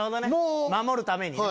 守るためにね。